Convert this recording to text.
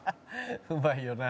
うまいよな」